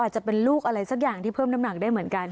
จะเป็นลูกอะไรสักอย่างที่เพิ่มน้ำหนักได้เหมือนกัน